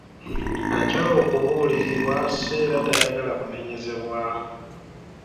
Akyawa okubuulirirwa so era tayagala kunenyezebwa.